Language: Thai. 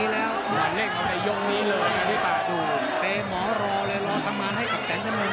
แต่หมอรอเลยรอทางมาให้กับแสนจนมือ